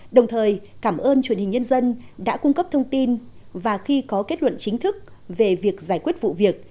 đồng thời cảm ơn truyền hình nhân dân đã cung cấp thông tin và khi có kết luận chính thức về việc giải quyết vụ việc